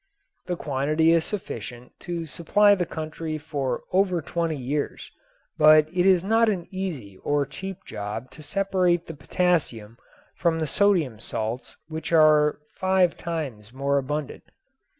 The quantity is sufficient to supply the country for over twenty years, but it is not an easy or cheap job to separate the potassium from the sodium salts which are five times more abundant.